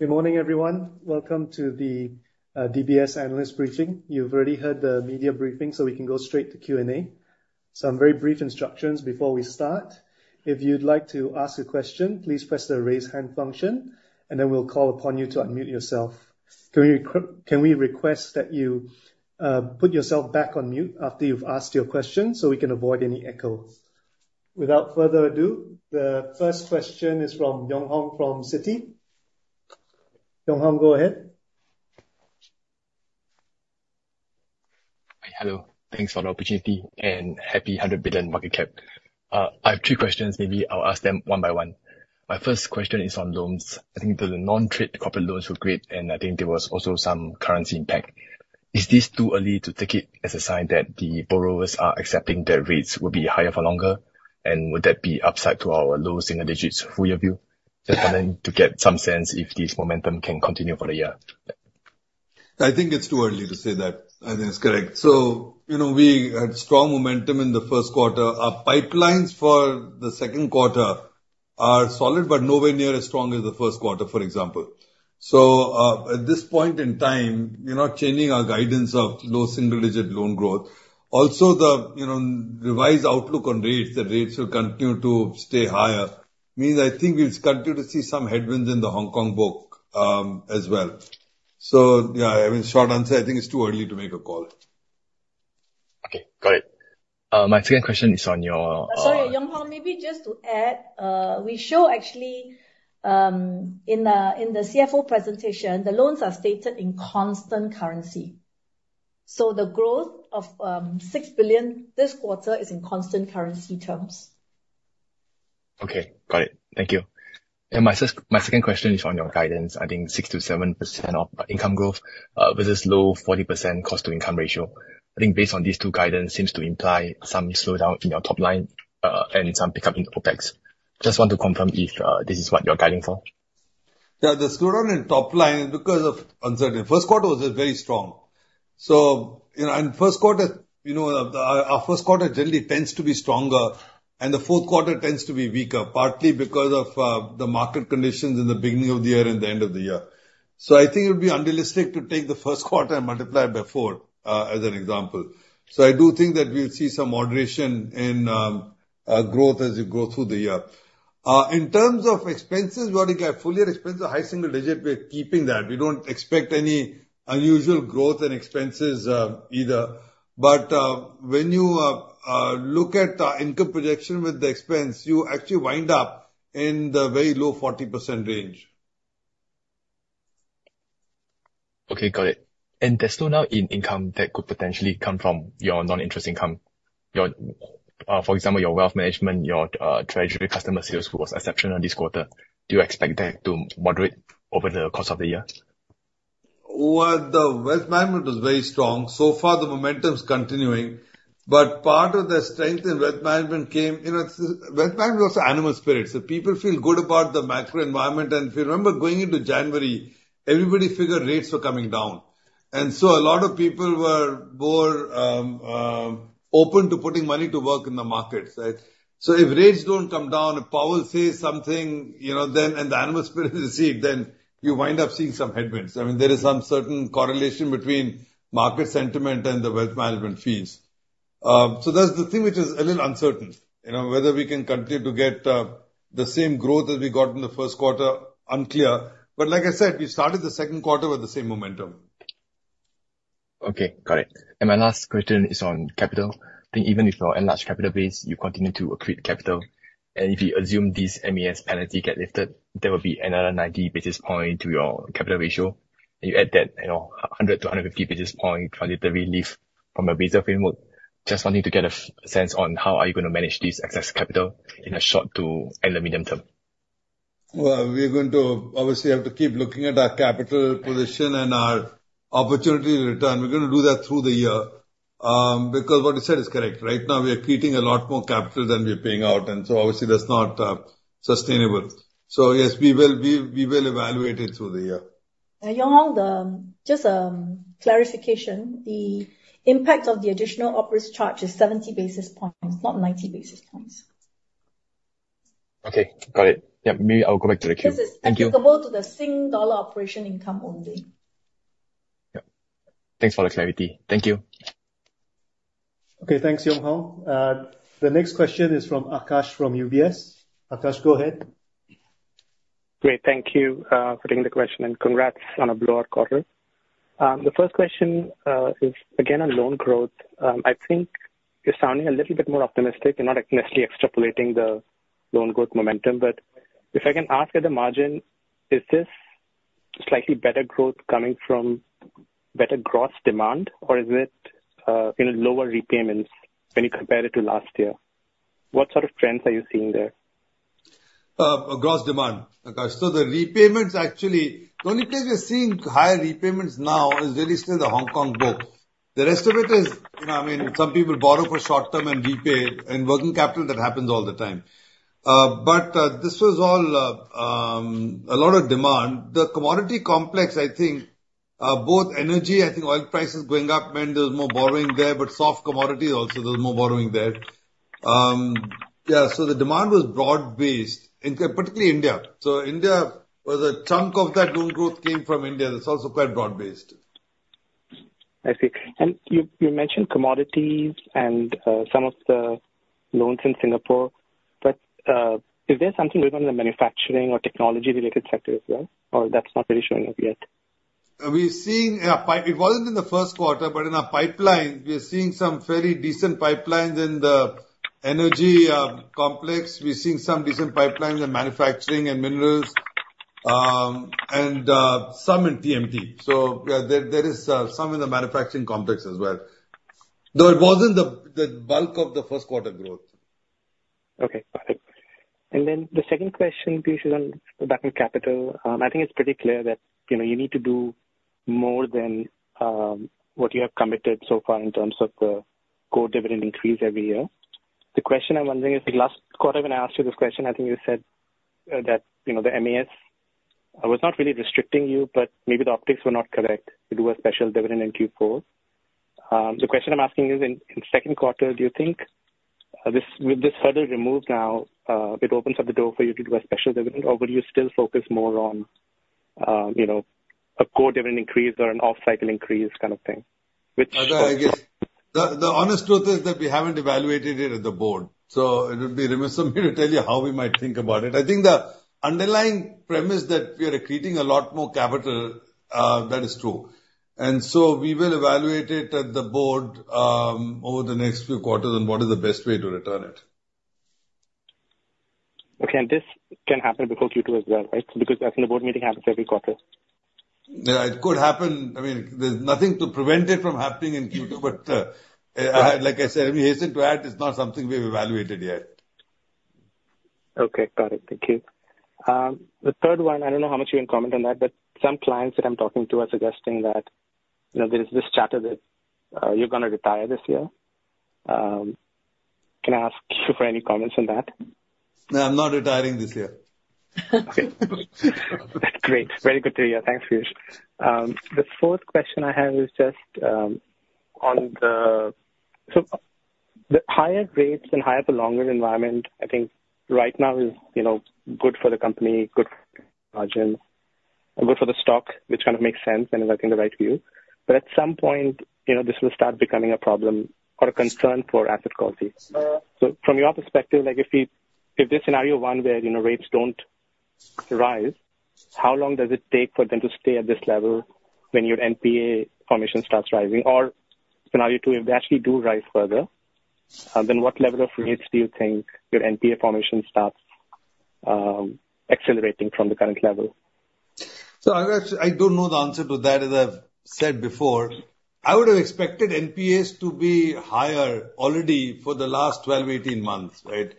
Good morning, everyone. Welcome to the DBS Analyst Briefing. You've already heard the media briefing, so we can go straight to Q&A. Some very brief instructions before we start. If you'd like to ask a question, please press the raise hand function, and then we'll call upon you to unmute yourself. Can we request that you put yourself back on mute after you've asked your question so we can avoid any echo? Without further ado, the first question is from Yong Hong from Citi. Yong Hong, go ahead. Hi. Hello. Thanks for the opportunity, and happy 100 billion market cap. I have three questions. Maybe I'll ask them one by one. My first question is on loans. I think the non-trade corporate loans were great, and I think there was also some currency impact. Is this too early to take it as a sign that the borrowers are accepting that rates will be higher for longer, and would that be upside to our low single digits full year view? Just wanted to get some sense if this momentum can continue for the year. I think it's too early to say that. I think it's correct. So we had strong momentum in the first quarter. Our pipelines for the second quarter are solid, but nowhere near as strong as the first quarter, for example. So at this point in time, changing our guidance of low single digit loan growth, also the revised outlook on rates, that rates will continue to stay higher, means I think we'll continue to see some headwinds in the Hong Kong book as well. So yeah, I mean, short answer, I think it's too early to make a call. Okay. Got it. My second question is on your. Sorry, Yong Hong, maybe just to add, we show actually in the CFO presentation, the loans are stated in constant currency. So the growth of 6 billion this quarter is in constant currency terms. Okay. Got it. Thank you. My second question is on your guidance. I think 6%-7% of income growth versus low 40% cost-to-income ratio. I think based on these two guidance seems to imply some slowdown in your top line and some pickup in OpEx. Just want to confirm if this is what you're guiding for. Yeah. The slowdown in top line is because of uncertainty. First quarter was very strong. And first quarter, our first quarter generally tends to be stronger, and the fourth quarter tends to be weaker, partly because of the market conditions in the beginning of the year and the end of the year. So I think it would be unrealistic to take the first quarter and multiply by four as an example. So I do think that we'll see some moderation in growth as you grow through the year. In terms of expenses, what we got, full year expense, a high single digit, we're keeping that. We don't expect any unusual growth in expenses either. But when you look at the income projection with the expense, you actually wind up in the very low 40% range. Okay. Got it. And there's still non-interest income that could potentially come from your non-interest income. For example, your wealth management, your treasury customer sales was exceptional this quarter. Do you expect that to moderate over the course of the year? Well, the wealth management was very strong. So far, the momentum's continuing. But part of the strength in wealth management came. Wealth management is also animal spirits. So people feel good about the macro environment. And if you remember going into January, everybody figured rates were coming down. And so a lot of people were more open to putting money to work in the markets, right? So if rates don't come down, if Powell says something and the animal spirits recede, then you wind up seeing some headwinds. I mean, there is some certain correlation between market sentiment and the wealth management fees. So that's the thing which is a little uncertain, whether we can continue to get the same growth as we got in the first quarter, unclear. But like I said, we started the second quarter with the same momentum. Okay. Got it. My last question is on capital. I think even if you're enlarged capital base, you continue to accrete capital. And if you assume these MAS penalties get lifted, there will be another 90 basis points to your capital ratio. And you add that 100-150 basis points transitory relief from your baseline framework. Just wanting to get a sense on how are you going to manage this excess capital in a short to end-of-medium term. Well, we're going to obviously have to keep looking at our capital position and our opportunity return. We're going to do that through the year because what you said is correct. Right now, we are accreting a lot more capital than we are paying out. And so obviously, that's not sustainable. So yes, we will evaluate it through the year. Yong Hong, just a clarification. The impact of the additional OpEx charge is 70 basis points, not 90 basis points. Okay. Got it. Yeah. Maybe I'll go back to the queue. This is applicable to the Singapore dollar operating income only. Yeah. Thanks for the clarity. Thank you. Okay. Thanks, Yong Hong. The next question is from Aakash from UBS. Aakash, go ahead. Great. Thank you for taking the question, and congrats on a blowout quarter. The first question is, again, on loan growth. I think you're sounding a little bit more optimistic. You're not necessarily extrapolating the loan growth momentum. But if I can ask at the margin, is this slightly better growth coming from better gross demand, or is it lower repayments when you compare it to last year? What sort of trends are you seeing there? Gross demand, Aakash. So the repayments, actually, the only place we're seeing higher repayments now is really still the Hong Kong book. The rest of it is, I mean, some people borrow for short term and repay. In working capital, that happens all the time. But this was all a lot of demand. The commodity complex, I think, both energy, I think oil prices going up meant there was more borrowing there. But soft commodities also, there was more borrowing there. Yeah. So the demand was broad-based, particularly India. So India, where the chunk of that loan growth came from India, that's also quite broad-based. I see. And you mentioned commodities and some of the loans in Singapore. But is there something going on in the manufacturing or technology-related sector as well, or that's not really showing up yet? Yeah. It wasn't in the first quarter, but in our pipelines, we are seeing some very decent pipelines in the energy complex. We're seeing some decent pipelines in manufacturing and minerals and some in TMT. So yeah, there is some in the manufacturing complex as well, though it wasn't the bulk of the first quarter growth. Okay. Got it. And then the second question, Piyush, is back on capital. I think it's pretty clear that you need to do more than what you have committed so far in terms of the core dividend increase every year. The question I'm wondering is, last quarter, when I asked you this question, I think you said that the MAS was not really restricting you, but maybe the optics were not correct. You do a special dividend in Q4. The question I'm asking is, in second quarter, do you think with this hurdle removed now, it opens up the door for you to do a special dividend, or would you still focus more on a core dividend increase or an off-cycle increase kind of thing, which? I guess the honest truth is that we haven't evaluated it at the board. So it would be remiss of me to tell you how we might think about it. I think the underlying premise that we are accreting a lot more capital, that is true. And so we will evaluate it at the board over the next few quarters on what is the best way to return it. Okay. And this can happen before Q2 as well, right? Because that's in the board meeting happens every quarter. Yeah. It could happen. I mean, there's nothing to prevent it from happening in Q2. But like I said, let me hasten to add, it's not something we've evaluated yet. Okay. Got it. Thank you. The third one, I don't know how much you can comment on that, but some clients that I'm talking to are suggesting that there is this chatter that you're going to retire this year. Can I ask you for any comments on that? No. I'm not retiring this year. Okay. Great. Very good to hear. Thanks, Piyush. The fourth question I have is just on the so the higher rates and higher for longer environment, I think right now is good for the company, good for margins, and good for the stock, which kind of makes sense and is, I think, the right view. But at some point, this will start becoming a problem or a concern for asset quality. So from your perspective, if this scenario one where rates don't rise, how long does it take for them to stay at this level when your NPA formation starts rising? Or scenario two, if they actually do rise further, then what level of rates do you think your NPA formation starts accelerating from the current level? So I don't know the answer to that. As I've said before, I would have expected NPAs to be higher already for the last 12-18 months, right?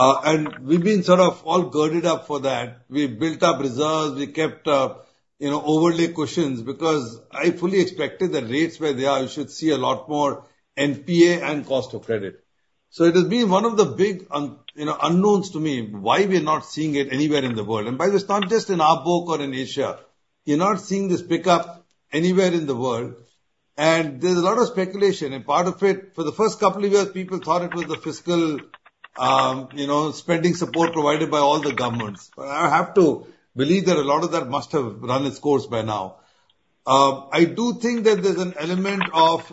And we've been sort of all girded up for that. We built up reserves. We kept up overlay cushions because I fully expected that rates where they are, you should see a lot more NPA and cost of credit. So it has been one of the big unknowns to me why we are not seeing it anywhere in the world. And by the way, it's not just in our book or in Asia. You're not seeing this pickup anywhere in the world. And there's a lot of speculation. And part of it, for the first couple of years, people thought it was the fiscal spending support provided by all the governments. But I have to believe that a lot of that must have run its course by now. I do think that there's an element of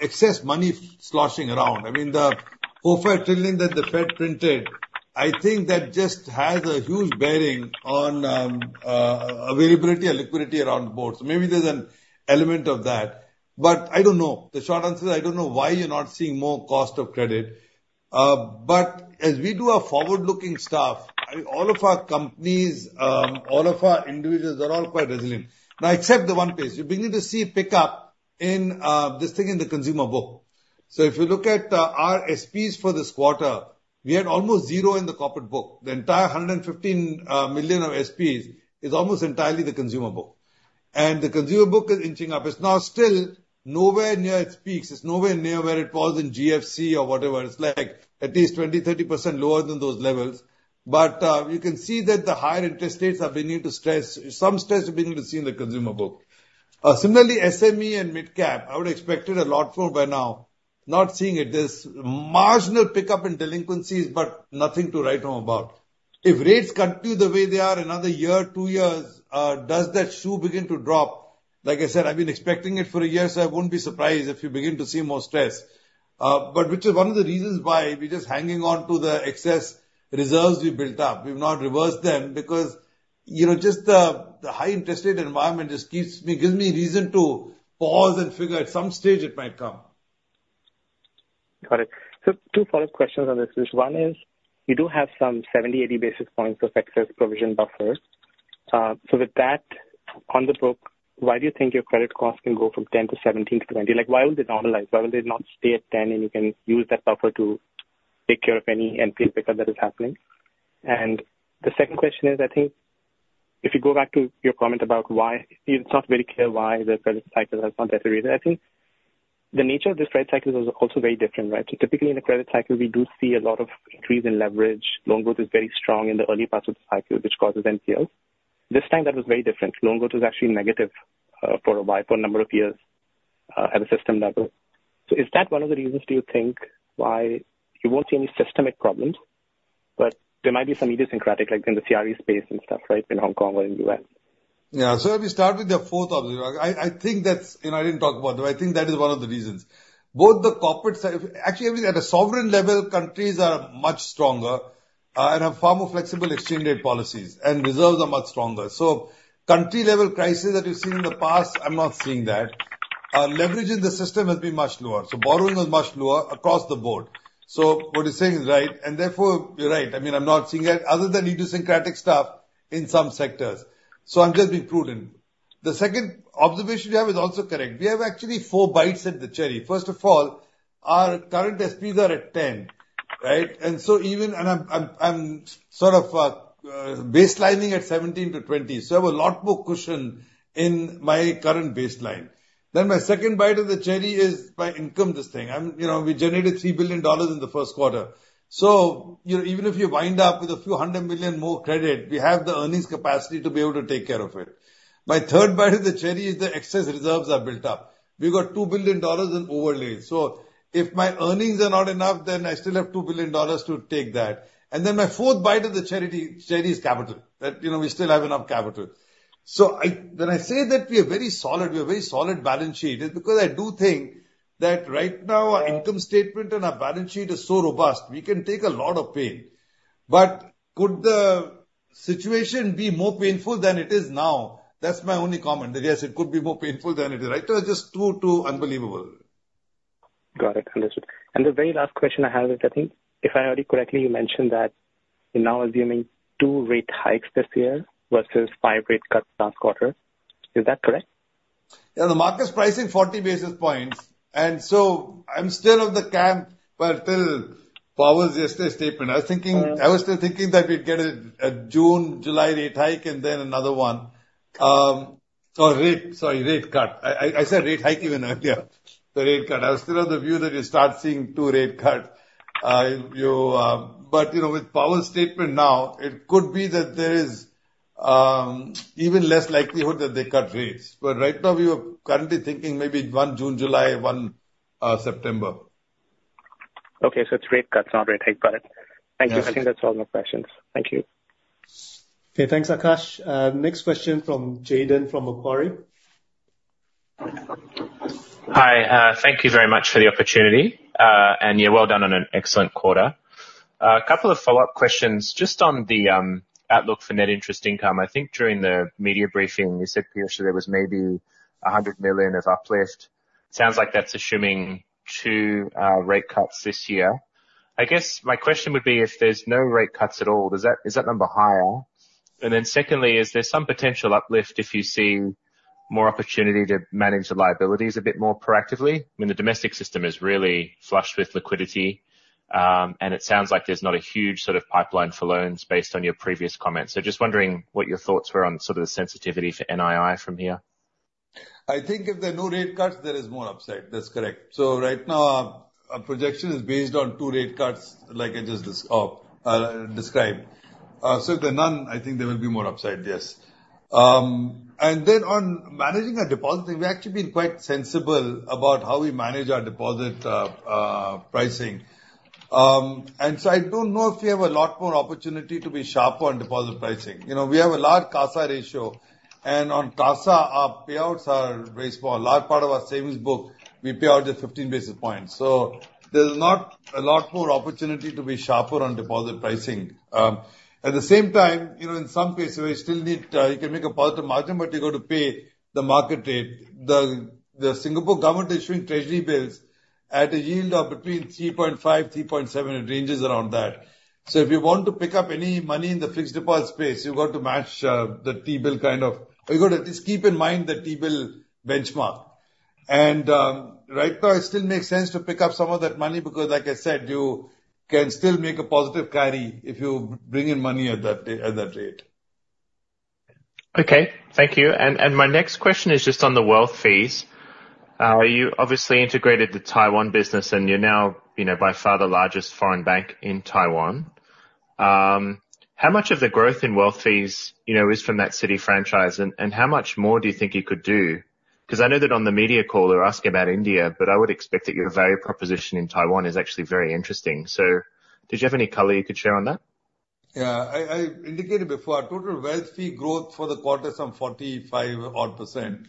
excess money sloshing around. I mean, the $4.5 trillion that the Fed printed, I think that just has a huge bearing on availability and liquidity around the board. So maybe there's an element of that. But I don't know. The short answer is I don't know why you're not seeing more cost of credit. But as we do our forward-looking stuff, all of our companies, all of our individuals, they're all quite resilient, except the one piece. You begin to see a pickup in this thing in the consumer book. So if you look at our SPs for this quarter, we had almost zero in the corporate book. The entire 115 million of SPs is almost entirely the consumer book. The consumer book is inching up. It's now still nowhere near its peaks. It's nowhere near where it was in GFC or whatever. It's at least 20%-30% lower than those levels. But you can see that the higher interest rates are beginning to stress. Some stress is beginning to be seen in the consumer book. Similarly, SME and mid-cap, I would have expected a lot more by now, not seeing it this marginal pickup in delinquencies, but nothing to write home about. If rates continue the way they are another year, two years, does that shoe begin to drop? Like I said, I've been expecting it for a year, so I won't be surprised if you begin to see more stress, which is one of the reasons why we're just hanging on to the excess reserves we built up. We've not reversed them because just the high-interest rate environment just gives me reason to pause and figure at some stage it might come. Got it. So two follow-up questions on this, Piyush. One is, you do have some 70-80 basis points of excess provision buffer. So with that on the book, why do you think your credit cost can go from 10 to 17 to 20? Why will they normalize? Why will they not stay at 10, and you can use that buffer to take care of any NPA pickup that is happening? And the second question is, I think if you go back to your comment about why it's not very clear why the credit cycle has not deteriorated, I think the nature of this credit cycle is also very different, right? So typically, in a credit cycle, we do see a lot of increase in leverage. Loan growth is very strong in the early parts of the cycle, which causes NPLs. This time, that was very different. Loan growth was actually negative for a while, for a number of years at a system level. So is that one of the reasons do you think why you won't see any systemic problems, but there might be some idiosyncratic in the CRE space and stuff, right, in Hong Kong or in the U.S.? Yeah. So let me start with the fourth observation. I think that's I didn't talk about them. I think that is one of the reasons. Both the corporate actually, at a sovereign level, countries are much stronger and have far more flexible exchange-rate policies, and reserves are much stronger. So country-level crisis that you've seen in the past, I'm not seeing that. Leverage in the system has been much lower. So borrowing was much lower across the board. So what you're saying is right. And therefore, you're right. I mean, I'm not seeing that other than idiosyncratic stuff in some sectors. So I'm just being prudent. The second observation you have is also correct. We have actually four bites at the cherry. First of all, our current SPs are at 10, right? And so even I'm sort of baselining at 17-20. So I have a lot more cushion in my current baseline. Then my second bite of the cherry is my income, this thing. We generated 3 billion dollars in the first quarter. So even if you wind up with a few hundred million more credit, we have the earnings capacity to be able to take care of it. My third bite of the cherry is the excess reserves are built up. We've got 2 billion dollars in overlays. So if my earnings are not enough, then I still have 2 billion dollars to take that. And then my fourth bite of the cherry is capital. We still have enough capital. So when I say that we are very solid, we have a very solid balance sheet, it's because I do think that right now, our income statement and our balance sheet are so robust, we can take a lot of pain. But could the situation be more painful than it is now? That's my only comment, that yes, it could be more painful than it is. Right now, it's just too unbelievable. Got it. Understood. The very last question I have is, I think if I heard it correctly, you mentioned that you're now assuming two rate hikes this year versus five rate cuts last quarter. Is that correct? Yeah. The market's pricing 40 basis points. And so I'm still of the camp, well, till Powell's yesterday's statement. I was still thinking that we'd get a June, July rate hike and then another one or rate, sorry, rate cut. I said rate hike even earlier, the rate cut. I was still of the view that you start seeing two rate cuts. But with Powell's statement now, it could be that there is even less likelihood that they cut rates. But right now, we are currently thinking maybe one, June, July, one, September. Okay. So it's rate cuts, not rate hike. Got it. Thank you. I think that's all my questions. Thank you. Okay. Thanks, Aakash. Next question from Jayden from Macquarie. Hi. Thank you very much for the opportunity. And yeah, well done on an excellent quarter. A couple of follow-up questions just on the outlook for net interest income. I think during the media briefing, you said, Piyush, that there was maybe 100 million of uplift. Sounds like that's assuming two rate cuts this year. I guess my question would be, if there's no rate cuts at all, is that number higher? And then secondly, is there some potential uplift if you see more opportunity to manage the liabilities a bit more proactively? I mean, the domestic system is really flush with liquidity, and it sounds like there's not a huge sort of pipeline for loans based on your previous comments. So just wondering what your thoughts were on sort of the sensitivity for NII from here. I think if there are no rate cuts, there is more upside. That's correct. So right now, our projection is based on two rate cuts like I just described. So if there are none, I think there will be more upside, yes. And then on managing our deposits, we've actually been quite sensible about how we manage our deposit pricing. And so I don't know if we have a lot more opportunity to be sharper on deposit pricing. We have a large CASA ratio. And on CASA, our payouts are very small. A large part of our savings book, we pay out just 15 basis points. So there's not a lot more opportunity to be sharper on deposit pricing. At the same time, in some cases, you still need, you can make a positive margin, but you've got to pay the market rate. The Singapore government is issuing Treasury bills at a yield of between 3.5-3.7. It ranges around that. So if you want to pick up any money in the fixed deposit space, you've got to match the T-bill kind of or you've got to at least keep in mind the T-bill benchmark. Right now, it still makes sense to pick up some of that money because, like I said, you can still make a positive carry if you bring in money at that rate. Okay. Thank you. And my next question is just on the wealth fees. You obviously integrated the Taiwan business, and you're now by far the largest foreign bank in Taiwan. How much of the growth in wealth fees is from that Citi franchise, and how much more do you think you could do? Because I know that on the media call, they're asking about India, but I would expect that your value proposition in Taiwan is actually very interesting. So did you have any color you could share on that? Yeah. I indicated before, our total wealth fee growth for the quarter is some 45-odd%.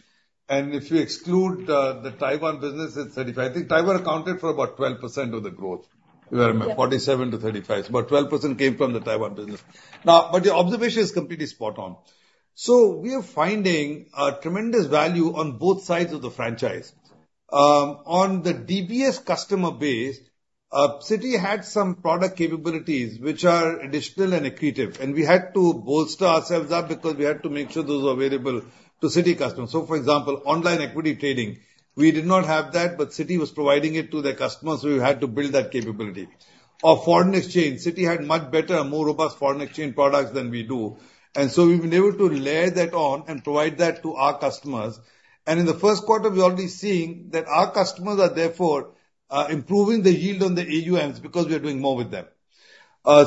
And if you exclude the Taiwan business, it's 35%. I think Taiwan accounted for about 12% of the growth. You've got to remember, 47%-35%. So about 12% came from the Taiwan business. But your observation is completely spot on. So we are finding tremendous value on both sides of the franchise. On the DBS customer base, Citi had some product capabilities which are additional and accretive. And we had to bolster ourselves up because we had to make sure those are available to Citi customers. So, for example, online equity trading, we did not have that, but Citi was providing it to their customers. So we had to build that capability. Of foreign exchange, Citi had much better, more robust foreign exchange products than we do. So we've been able to layer that on and provide that to our customers. In the first quarter, we're already seeing that our customers are, therefore, improving the yield on the AUMs because we are doing more with them.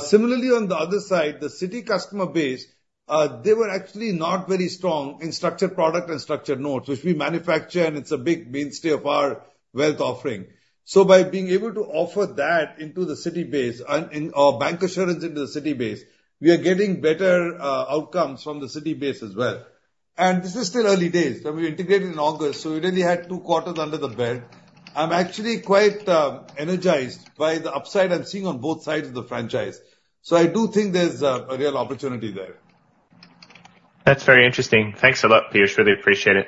Similarly, on the other side, the Citi customer base, they were actually not very strong in structured product and structured notes, which we manufacture, and it's a big mainstay of our wealth offering. By being able to offer that into the Citi base or bancassurance into the Citi base, we are getting better outcomes from the Citi base as well. This is still early days. I mean, we integrated in August, so we really had two quarters under the belt. I'm actually quite energized by the upside I'm seeing on both sides of the franchise. I do think there's a real opportunity there. That's very interesting. Thanks a lot, Piyush. Really appreciate it.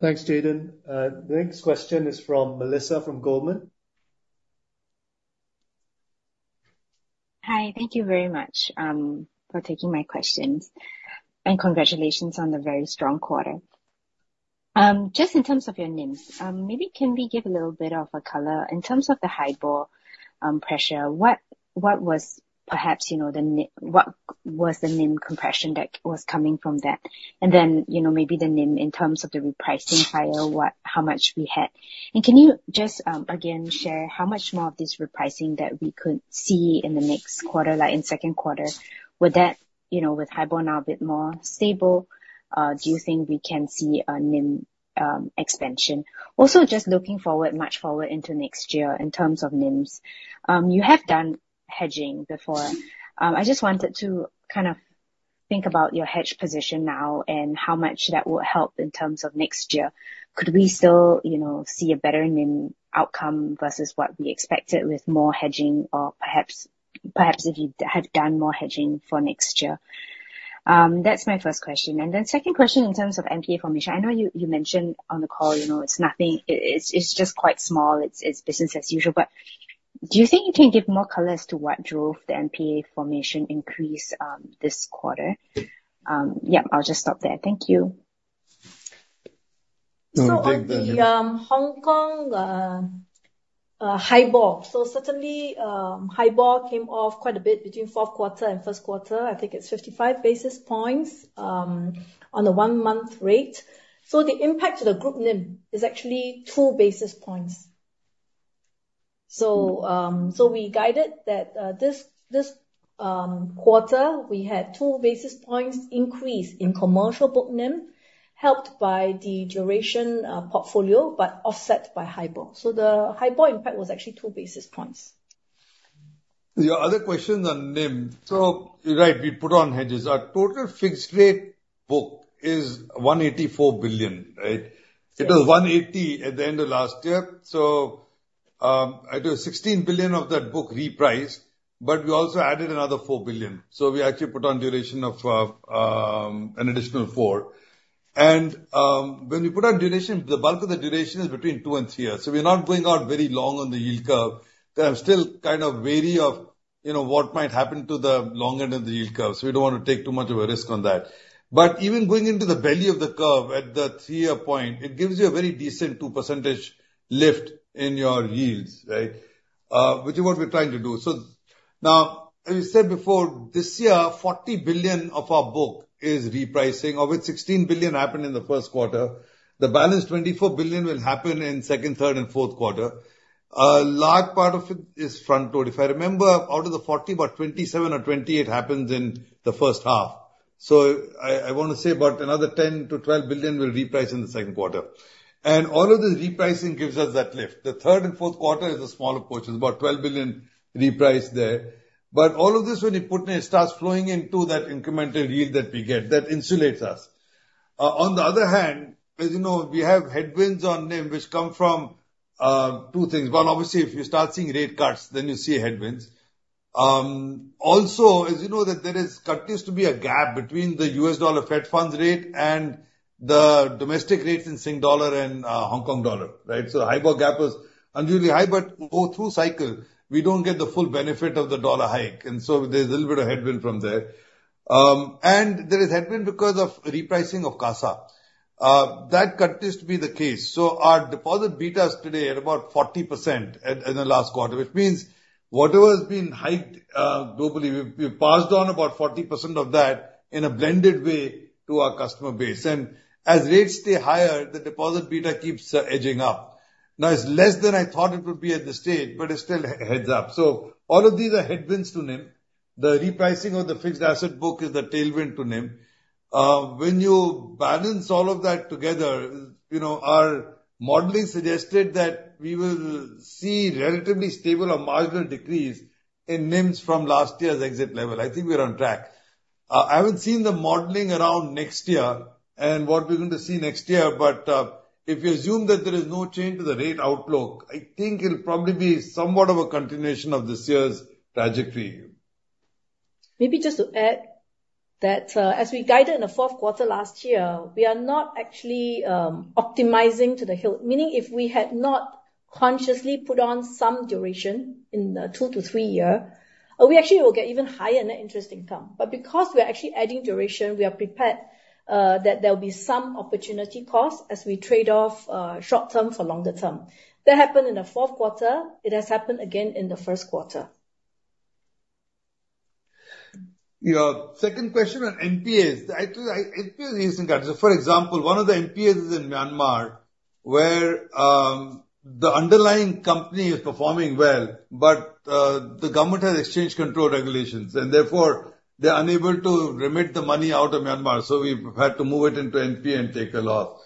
Thanks, Jayden. The next question is from Melissa from Goldman. Hi. Thank you very much for taking my questions. Congratulations on the very strong quarter. Just in terms of your NIMs, maybe can we give a little bit of a color? In terms of the HIBOR pressure, what was perhaps the NIM compression that was coming from that? And then maybe the NIM in terms of the repricing higher, how much we had. And can you just, again, share how much more of this repricing that we could see in the next quarter, like in second quarter? With HIBOR now a bit more stable, do you think we can see a NIM expansion? Also, just looking forward, much forward into next year in terms of NIMs, you have done hedging before. I just wanted to kind of think about your hedge position now and how much that would help in terms of next year. Could we still see a better NIM outcome versus what we expected with more hedging or perhaps if you had done more hedging for next year? That's my first question. And then second question in terms of NPA formation. I know you mentioned on the call it's just quite small. It's business as usual. But do you think you can give more colors to what drove the NPA formation increase this quarter? Yep. I'll just stop there. Thank you. So the Hong Kong HIBOR so certainly, HIBOR came off quite a bit between fourth quarter and first quarter. I think it's 55 basis points on the one-month rate. So the impact to the group NIM is actually two basis points. So we guided that this quarter, we had two basis points increase in commercial book NIM helped by the duration portfolio but offset by HIBOR. So the HIBOR impact was actually two basis points. Your other question on NIM. So you're right. We put on hedges. Our total fixed-rate book is 184 billion, right? It was 180 billion at the end of last year. So 16 billion of that book repriced, but we also added another 4 billion. So we actually put on duration of an additional 4 billion. And when we put on duration, the bulk of the duration is between two and three years. So we're not going out very long on the yield curve. I'm still kind of wary of what might happen to the long end of the yield curve. So we don't want to take too much of a risk on that. But even going into the belly of the curve at the three-year point, it gives you a very decent 2% lift in your yields, right, which is what we're trying to do. So now, as you said before, this year, 40 billion of our book is repricing. Of it, 16 billion happened in the first quarter. The balance 24 billion will happen in second, third, and fourth quarter. A large part of it is front-load. If I remember, out of the 40 billion, about 27 billion or 28 billion happens in the first half. So I want to say about another 10 billion-12 billion will reprice in the second quarter. And all of this repricing gives us that lift. The third and fourth quarter is a smaller portion. It's about 12 billion repriced there. But all of this, when you put in, it starts flowing into that incremental yield that we get, that insulates us. On the other hand, as you know, we have headwinds on NIM which come from two things. One, obviously, if you start seeing rate cuts, then you see headwinds. Also, as you know, there continues to be a gap between the U.S. dollar Fed funds rate and the domestic rates in Singapore dollar and Hong Kong dollar, right? So the HIBOR gap was unusually high, but all through cycle, we don't get the full benefit of the dollar hike. And so there's a little bit of headwind from there. And there is headwind because of repricing of CASA. That continues to be the case. So our deposit beta is today at about 40% in the last quarter, which means whatever has been hiked globally, we've passed on about 40% of that in a blended way to our customer base. And as rates stay higher, the deposit beta keeps edging up. Now, it's less than I thought it would be at this stage, but it still heads up. So all of these are headwinds to NIM. The repricing of the fixed asset book is the tailwind to NIM. When you balance all of that together, our modeling suggested that we will see relatively stable or marginal decrease in NIMs from last year's exit level. I think we're on track. I haven't seen the modeling around next year and what we're going to see next year. But if you assume that there is no change to the rate outlook, I think it'll probably be somewhat of a continuation of this year's trajectory. Maybe just to add that as we guided in the fourth quarter last year, we are not actually optimizing to the hill, meaning if we had not consciously put on some duration in the two to three year, we actually will get even higher net interest income. But because we are actually adding duration, we are prepared that there will be some opportunity costs as we trade off short-term for longer term. That happened in the fourth quarter. It has happened again in the first quarter. Your second question on NPAs. Actually, NPAs are interesting guys. For example, one of the NPAs is in Myanmar where the underlying company is performing well, but the government has exchange control regulations. And therefore, they're unable to remit the money out of Myanmar. So we've had to move it into NPA and take a loss.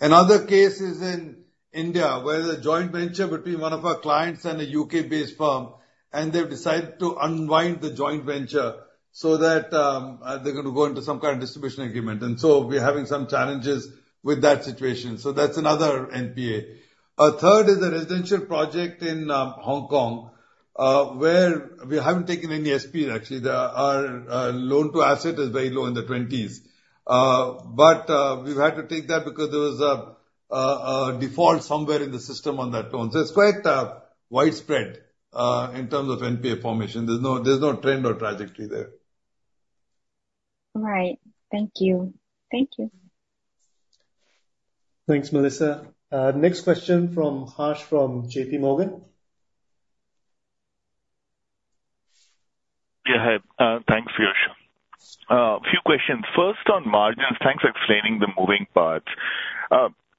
Another case is in India where the joint venture between one of our clients and a UK-based firm, and they've decided to unwind the joint venture so that they're going to go into some kind of distribution agreement. And so we're having some challenges with that situation. So that's another NPA. A third is a residential project in Hong Kong where we haven't taken any SPs, actually. Our loan-to-asset is very low in the 20s. But we've had to take that because there was a default somewhere in the system on that loan. So it's quite widespread in terms of NPA formation. There's no trend or trajectory there. Right. Thank you. Thank you. Thanks, Melissa. Next question from Harsh from JPMorgan. Yeah. Hi. Thanks, Piyush. A few questions. First, on margins, thanks for explaining the moving parts.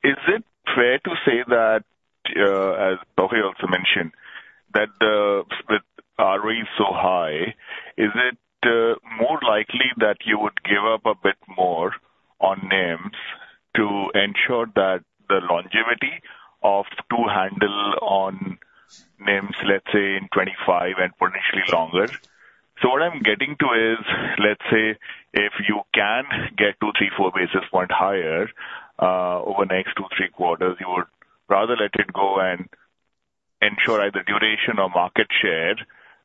Is it fair to say that, as Sok Hui also mentioned, that with ROE so high, is it more likely that you would give up a bit more on NIMs to ensure that the longevity of. To handle on NIMs, let's say, in 2025 and potentially longer? So what I'm getting to is, let's say, if you can get two, three, four basis point higher over the next two, three quarters, you would rather let it go and ensure either duration or market share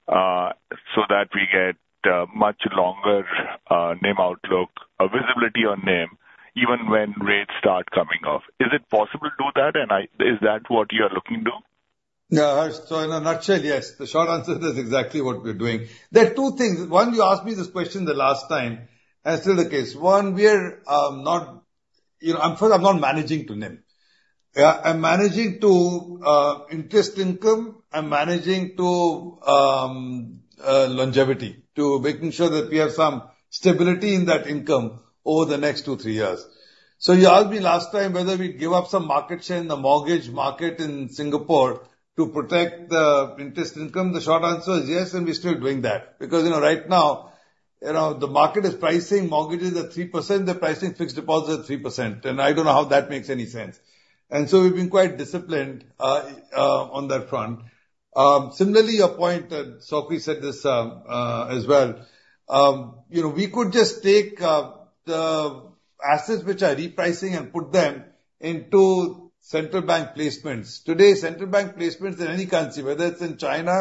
so that we get much longer NIM outlook, a visibility on NIM even when rates start coming off. Is it possible to do that? And is that what you are looking to? Yeah. So in a nutshell, yes. The short answer is that's exactly what we're doing. There are two things. One, you asked me this question the last time. That's still the case. One, we are not first, I'm not managing to NIM. I'm managing to increase income. I'm managing to longevity, to making sure that we have some stability in that income over the next two, three years. So you asked me last time whether we'd give up some market share in the mortgage market in Singapore to protect the interest income. The short answer is yes, and we're still doing that because right now, the market is pricing mortgages at 3%. They're pricing fixed deposits at 3%. And I don't know how that makes any sense. And so we've been quite disciplined on that front. Similarly, your point, Sok Hui said this as well. We could just take the assets which are repricing and put them into central bank placements. Today, central bank placements in any currency, whether it's in China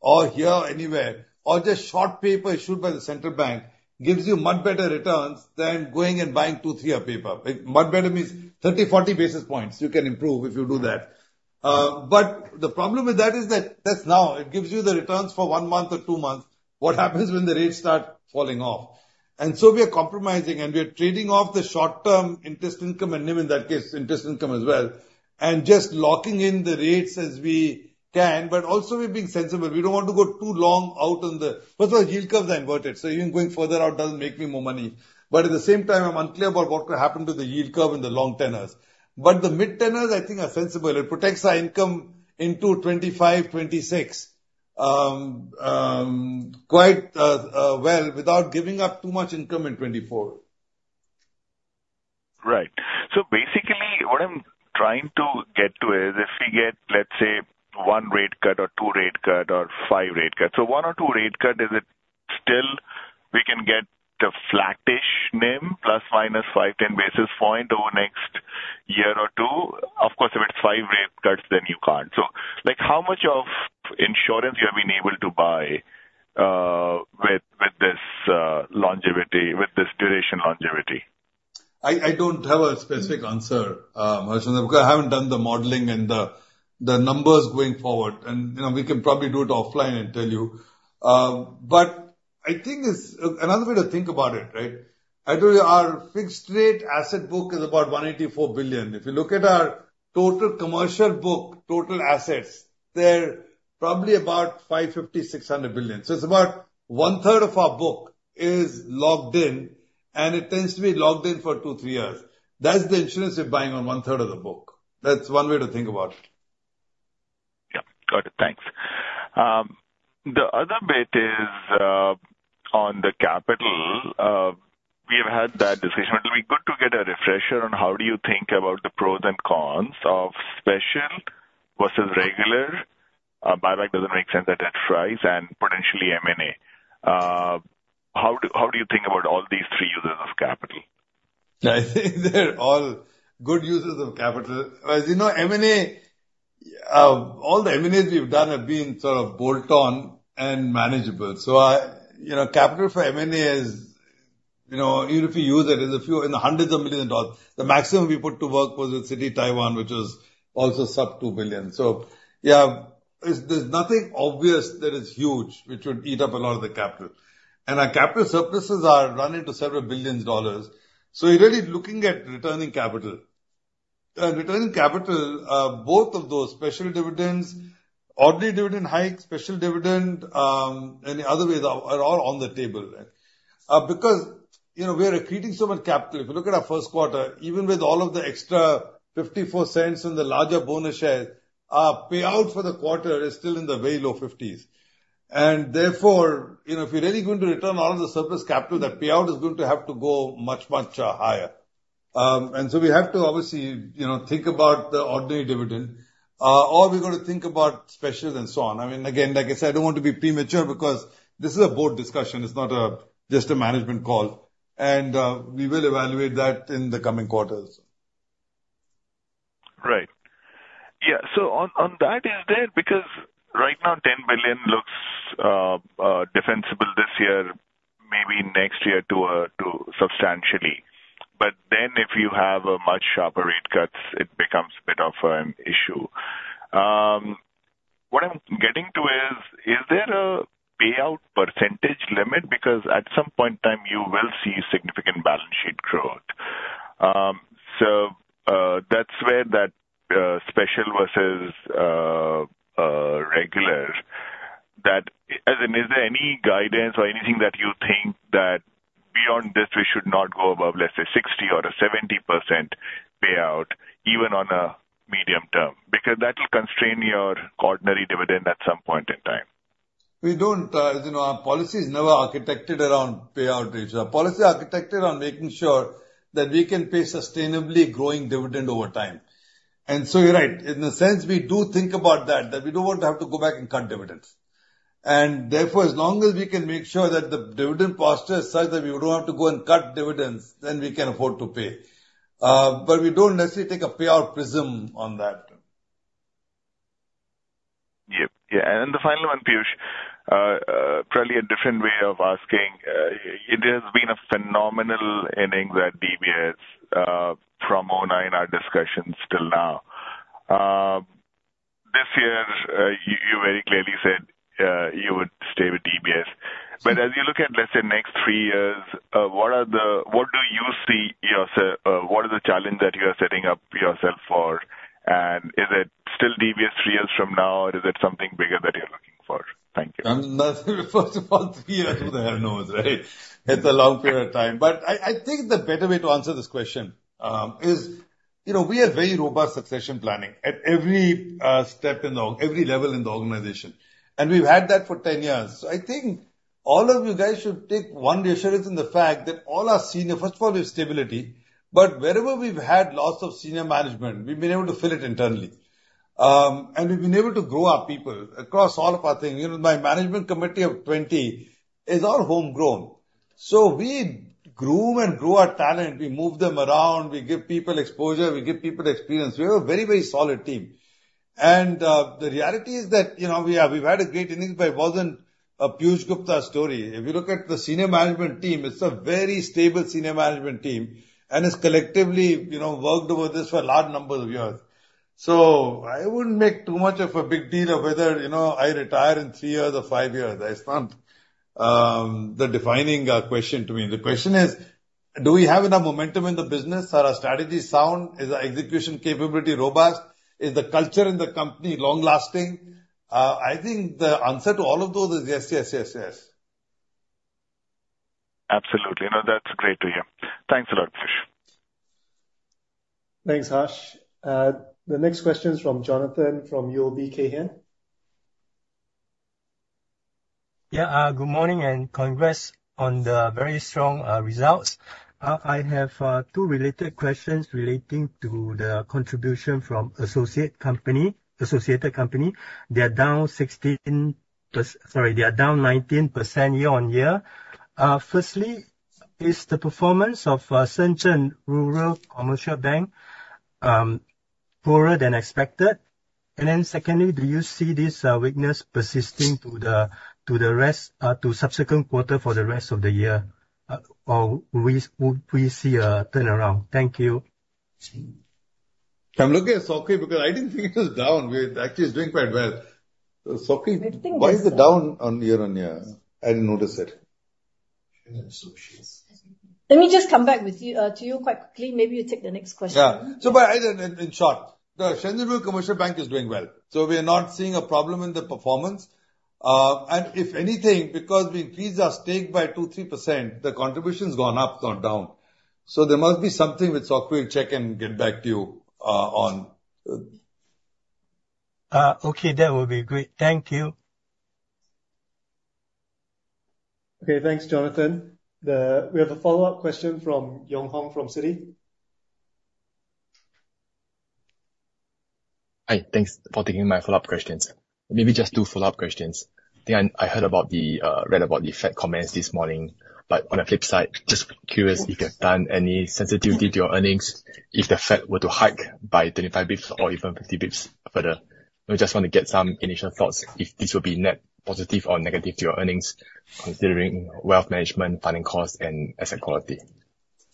or here or anywhere, or just short paper issued by the central bank, gives you much better returns than going and buying two-, three-year paper. Much better means 30-40 basis points you can improve if you do that. But the problem with that is that that's now. It gives you the returns for one month or two months. What happens when the rates start falling off? And so we are compromising, and we are trading off the short-term interest income and NIM, in that case, interest income as well, and just locking in the rates as we can. But also, we're being sensible. We don't want to go too long out on the first of all, yield curves are inverted. So even going further out doesn't make me more money. But at the same time, I'm unclear about what could happen to the yield curve in the long tenors. But the mid-tenors, I think, are sensible. It protects our income into 2025, 2026 quite well without giving up too much income in 2024. Right. So basically, what I'm trying to get to is if we get, let's say, one rate cut or two rate cuts or five rate cuts so one or two rate cuts, is it still we can get a flattish NIM ±5-10 basis points over the next year or two? Of course, if it's five rate cuts, then you can't. So how much of insurance you have been able to buy with this duration longevity? I don't have a specific answer, Harsh, because I haven't done the modeling and the numbers going forward. We can probably do it offline and tell you. But I think it's another way to think about it, right? I told you our fixed-rate asset book is about 184 billion. If you look at our total commercial book, total assets, they're probably about 550 billion-600 billion. So it's about one-third of our book is locked in, and it tends to be locked in for two to three years. That's the insurance we're buying on one-third of the book. That's one way to think about it. Yep. Got it. Thanks. The other bit is on the capital. We have had that discussion. It'll be good to get a refresher on how do you think about the pros and cons of special versus regular, buyback doesn't make sense at that price, and potentially M&A. How do you think about all these three uses of capital? I think they're all good uses of capital. As you know, M&A, all the M&As we've done have been sort of bolt-on and manageable. So capital for M&A is even if you use it, it's a few hundred million dollars. The maximum we put to work was with Citi, Taiwan, which was also sub-$2 billion. So yeah, there's nothing obvious that is huge which would eat up a lot of the capital. And our capital surpluses are running to several billion. So you're really looking at returning capital. And returning capital, both of those, special dividends, ordinary dividend hikes, special dividend, and the other ways are all on the table because we are accreting so much capital. If you look at our first quarter, even with all of the extra 0.54 and the larger bonus shares, our payout for the quarter is still in the very low 50s. And therefore, if you're really going to return all of the surplus capital, that payout is going to have to go much, much higher. And so we have to, obviously, think about the ordinary dividend, or we've got to think about special and so on. I mean, again, like I said, I don't want to be premature because this is a board discussion. It's not just a management call. And we will evaluate that in the coming quarters. Right. Yeah. So on that, is there because right now, 10 billion looks defensible this year, maybe next year substantially. But then if you have much sharper rate cuts, it becomes a bit of an issue. What I'm getting to is, is there a payout percentage limit because at some point in time, you will see significant balance sheet growth. So that's where that special versus regular that as in, is there any guidance or anything that you think that beyond this, we should not go above, let's say, 60% or 70% payout even on a medium term because that will constrain your ordinary dividend at some point in time? We don't. Our policy is never architected around payout rates. Our policy is architected around making sure that we can pay sustainably growing dividend over time. And so you're right. In a sense, we do think about that, that we don't want to have to go back and cut dividends. And therefore, as long as we can make sure that the dividend posture is such that we don't have to go and cut dividends, then we can afford to pay. But we don't necessarily take a payout prism on that. Yep. Yeah. The final one, Piyush, probably a different way of asking. It has been a phenomenal earnings that DBS promoted in our discussion till now. This year, you very clearly said you would stay with DBS. But as you look at, let's say, next three years, what do you see yourself what are the challenges that you are setting up yourself for? And is it still DBS three years from now, or is it something bigger that you're looking for? Thank you. First of all, three years, who the hell knows, right? It's a long period of time. But I think the better way to answer this question is we are very robust succession planning at every step in the every level in the organization. And we've had that for 10 years. So I think all of you guys should take one reassurance in the fact that all our senior first of all, we have stability. But wherever we've had loss of senior management, we've been able to fill it internally. And we've been able to grow our people across all of our things. My management committee of 20 is all homegrown. So we groom and grow our talent. We move them around. We give people exposure. We give people experience. We have a very, very solid team. The reality is that we've had a great earnings, but it wasn't a Piyush Gupta story. If you look at the senior management team, it's a very stable senior management team and has collectively worked over this for a large number of years. So I wouldn't make too much of a big deal of whether I retire in three years or five years. That's not the defining question to me. The question is, do we have enough momentum in the business? Are our strategies sound? Is our execution capability robust? Is the culture in the company long-lasting? I think the answer to all of those is yes, yes, yes, yes. Absolutely. That's great to hear. Thanks a lot, Piyush. Thanks, Harsh. The next question is from Jonathan from UOB Kay Hian. Yeah. Good morning and congrats on the very strong results. I have two related questions relating to the contribution from associated company. They are down 16%, sorry, they are down 19% year-on-year. Firstly, is the performance of Shenzhen Rural Commercial Bank poorer than expected? And then secondly, do you see this weakness persisting to the subsequent quarter for the rest of the year, or will we see a turnaround? Thank you. I'm looking at Sok Hui because I didn't think it was down. Actually, it's doing quite well. Sok Hui, why is it down year-on-year? I didn't notice it. Let me just come back to you quite quickly. Maybe you take the next question. Yeah. So in short, the Shenzhen Rural Commercial Bank is doing well. So we are not seeing a problem in the performance. And if anything, because we increased our stake by 2%-3%, the contribution's gone up, not down. So there must be something with Sok Hui. I'll check and get back to you on. Okay. That would be great. Thank you. Okay. Thanks, Jonathan. We have a follow-up question from Yong Hong Tan from Citi. Hi. Thanks for taking my follow-up questions. Maybe just two follow-up questions. I think I heard or read about the Fed comments this morning. But on the flip side, just curious if you have done any sensitivity to your earnings if the Fed were to hike by 25 basis points or even 50 basis points further. Just want to get some initial thoughts if this will be net positive or negative to your earnings considering wealth management, funding costs, and asset quality.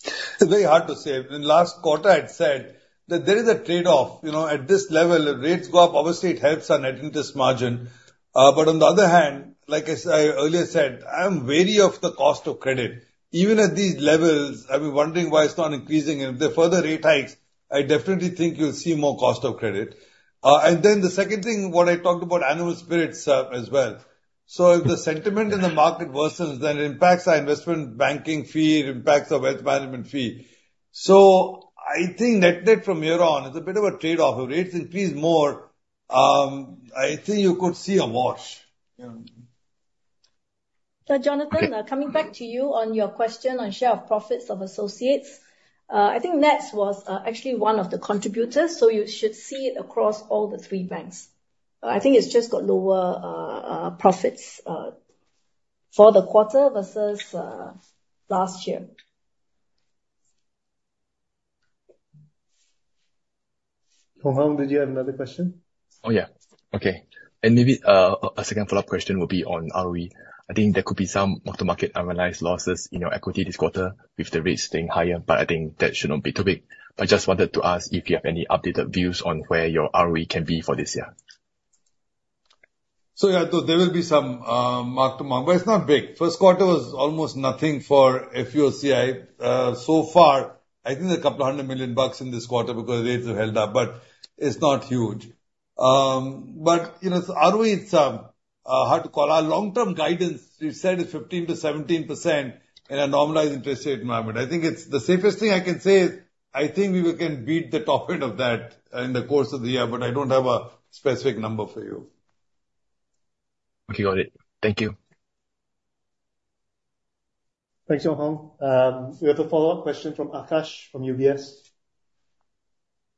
It's very hard to say. In the last quarter, I'd said that there is a trade-off. At this level, if rates go up, obviously, it helps our net interest margin. But on the other hand, like I earlier said, I'm wary of the cost of credit. Even at these levels, I've been wondering why it's not increasing. And if there are further rate hikes, I definitely think you'll see more cost of credit. And then the second thing, what I talked about, animal spirits as well. So if the sentiment in the market worsens, then it impacts our investment banking fee, it impacts our wealth management fee. So I think net-net from here on, it's a bit of a trade-off. If rates increase more, I think you could see a wash. Jonathan, coming back to you on your question on share of profits of associates, I think NETS was actually one of the contributors. So you should see it across all the three banks. I think it's just got lower profits for the quarter versus last year. Yong Hong, did you have another question? Oh, yeah. Okay. Maybe a second follow-up question will be on ROE. I think there could be some mark-to-market unrealized losses in your equity this quarter with the rates staying higher. But I think that shouldn't be too big. But just wanted to ask if you have any updated views on where your ROE can be for this year. So yeah, there will be some mark-to-market. But it's not big. First quarter was almost nothing for FVOCI. So far, I think there's $200 million in this quarter because rates have held up. But it's not huge. But ROE, it's hard to call. Our long-term guidance, we said, is 15%-17% in a normalized interest rate environment. I think the safest thing I can say is I think we can beat the top end of that in the course of the year. But I don't have a specific number for you. Okay. Got it. Thank you. Thanks, Yong Hong. We have a follow-up question from Aakash from UBS. Great.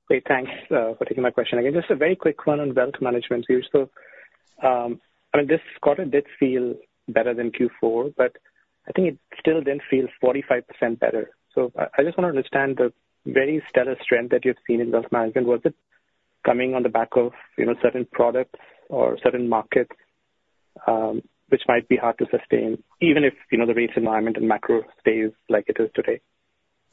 Thanks for taking my question. Again, just a very quick one on wealth management. I mean, this quarter did feel better than Q4, but I think it still didn't feel 45% better. So I just want to understand the very stellar strength that you've seen in wealth management. Was it coming on the back of certain products or certain markets which might be hard to sustain even if the rates environment and macro stays like it is today?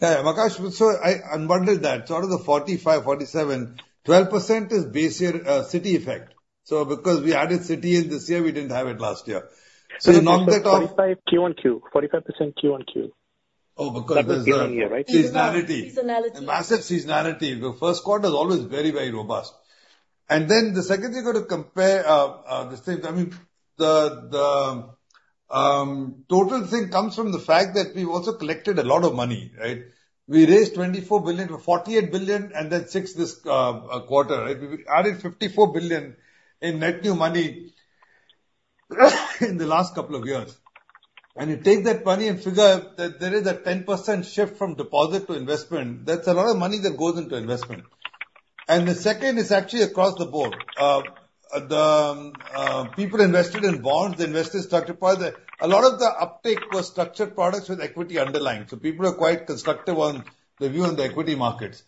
Yeah. So I wondered that. Out of the 45%-47%, 12% is base year Citi effect. So because we added Citi in this year, we didn't have it last year. So the knockback of. So it's 45% Q-on-Q, 45% Q-on-Q. Oh, because there's a. That's a Q-on-Q, right? Seasonality. Seasonality. A massive seasonality. The first quarter is always very, very robust. And then the second thing, you've got to compare this thing. I mean, the total thing comes from the fact that we've also collected a lot of money, right? We raised 24 billion, 48 billion, and then 6 billion this quarter, right? We added 54 billion in net new money in the last couple of years. And you take that money and figure that there is a 10% shift from deposit to investment. That's a lot of money that goes into investment. And the second is actually across the board. The people invested in bonds. The investors started to buy a lot. The uptake was structured products with equity underlying. So people are quite constructive on the view on the equity markets.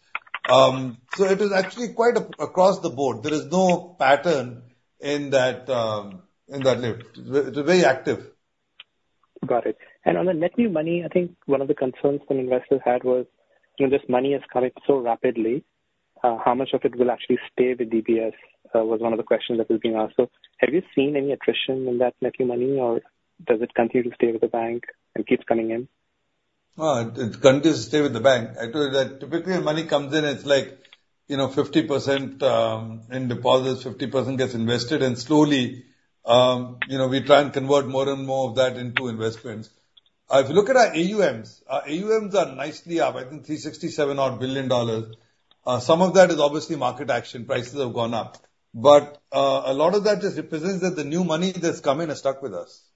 So it was actually quite across the board. There is no pattern in that lift. It's very active. Got it. On the net new money, I think one of the concerns some investors had was this money is coming so rapidly. How much of it will actually stay with DBS was one of the questions that was being asked. Have you seen any attrition in that net new money, or does it continue to stay with the bank and keeps coming in? Well, it continues to stay with the bank. Typically, the money comes in, it's like 50% in deposits, 50% gets invested. And slowly, we try and convert more and more of that into investments. If you look at our AUMs, our AUMs are nicely up. I think 367-odd billion dollars. Some of that is obviously market action. Prices have gone up. But a lot of that just represents that the new money that's come in is stuck with us.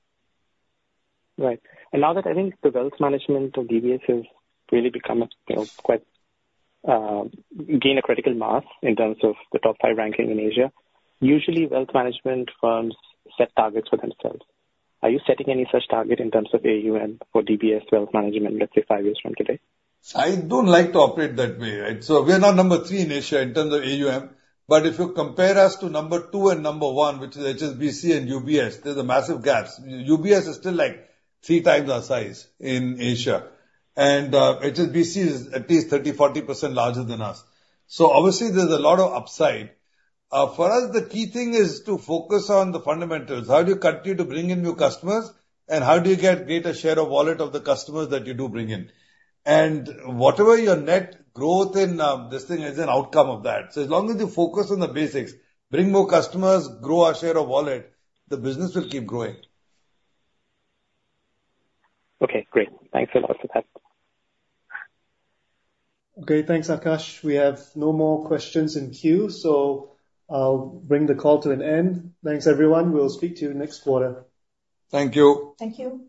Right. And now that I think the wealth management of DBS has really become quite gained a critical mass in terms of the top five ranking in Asia, usually, wealth management firms set targets for themselves. Are you setting any such target in terms of AUM for DBS wealth management, let's say, five years from today? I don't like to operate that way, right? So we are not number three in Asia in terms of AUM. But if you compare us to number two and number one, which is HSBC and UBS, there's a massive gap. UBS is still like 3x our size in Asia. And HSBC is at least 30%-40% larger than us. So obviously, there's a lot of upside. For us, the key thing is to focus on the fundamentals. How do you continue to bring in new customers, and how do you get greater share of wallet of the customers that you do bring in? And whatever your net growth in this thing is an outcome of that. So as long as you focus on the basics, bring more customers, grow our share of wallet, the business will keep growing. Okay. Great. Thanks a lot for that. Okay. Thanks, Aakash. We have no more questions in queue. I'll bring the call to an end. Thanks, everyone. We'll speak to you next quarter. Thank you. Thank you.